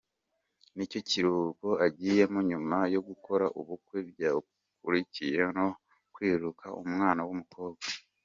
Ni cyo kiruhuko agiyemo nyuma yo gukora ubukwe byakurikiwe no kwibaruka umwana w’umukobwa.